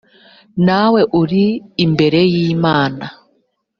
nawe uri imbere y imana